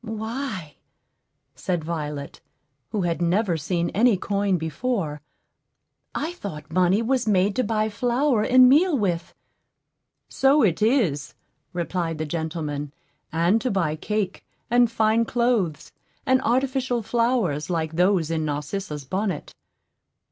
"Why," said Violet, who had never seen any coin before, "I thought money was made to buy flour and meal with." "So it is," replied the gentleman, "and to buy cake, and fine clothes, and artificial flowers like those in Narcissa's bonnet."